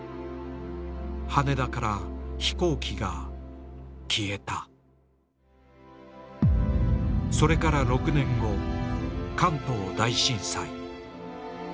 羽田から飛行機が消えたそれから６年後関東大震災